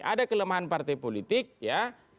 ada kelemahan partai politik ya